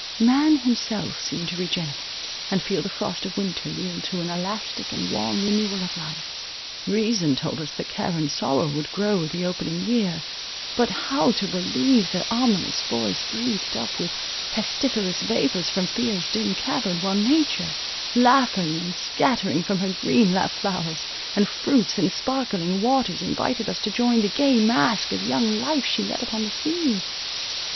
Man himself seemed to regenerate, and feel the frost of winter yield to an elastic and warm renewal of life—reason told us that care and sorrow would grow with the opening year—but how to believe the ominous voice breathed up with pestiferous vapours from fear's dim cavern, while nature, laughing and scattering from her green lap flowers, and fruits, and sparkling waters, invited us to join the gay masque of young life she led upon the scene?